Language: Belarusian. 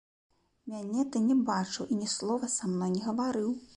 Мяне ты не бачыў і ні слова са мной не гаварыў.